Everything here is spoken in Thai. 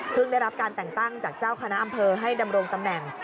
ได้รับการแต่งตั้งจากเจ้าคณะอำเภอให้ดำรงตำแหน่ง